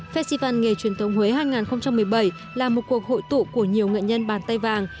festival nghề truyền thống huế hai nghìn một mươi bảy là một cuộc hội tụ của nhiều nghệ nhân bàn tay vàng